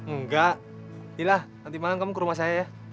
enggak nanti makan kamu ke rumah saya ya